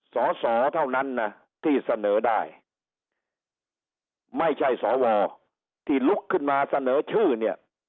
สอสอเท่านั้นนะที่เสนอได้ไม่ใช่สวที่ลุกขึ้นมาเสนอชื่อเนี่ย